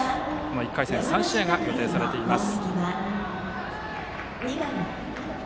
１回戦３試合が予定されています。